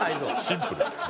シンプル。